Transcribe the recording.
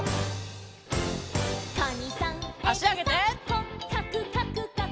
「こっかくかくかく」